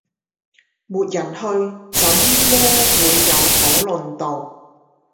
沒人去，怎麼會有討論度？